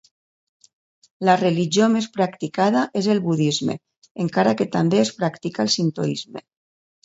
La religió més practicada és el budisme, encara que també es practica el sintoisme.